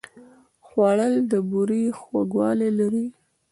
خوړل د بوره خوږوالی لري